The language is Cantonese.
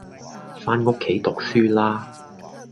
返屋企讀書啦